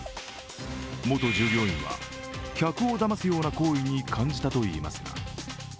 元従業員は客をだますような行為に感じたといいます。